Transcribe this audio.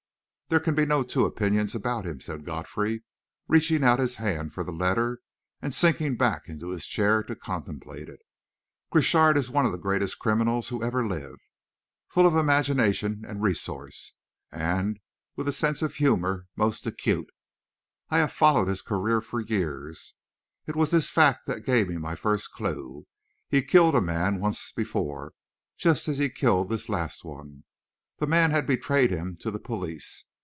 "There can be no two opinions about him," said Godfrey, reaching out his hand for the letter and sinking back in his chair to contemplate it. "Crochard is one of the greatest criminals who ever lived, full of imagination and resource, and with a sense of humour most acute. I have followed his career for years it was this fact that gave me my first clue. He killed a man once before, just as he killed this last one. The man had betrayed him to the police.